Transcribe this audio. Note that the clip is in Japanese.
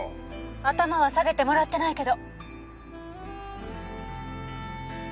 頭は下げてもらってないけど。